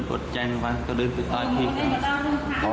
ผมเริ่มอดใจหนึ่งวันก็เริ่มต่อยผิดกัน